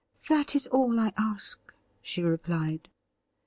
' That is all I ask,' she replied.